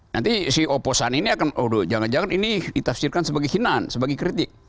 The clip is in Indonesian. nanti si oposan ini akan aduh jangan jangan ini ditafsirkan sebagai hinaan sebagai kritik